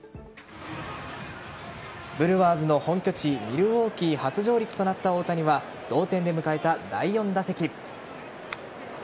ブルワーズの本拠地ミルウォーキー初上陸となった大谷は同点で迎えた第４打席。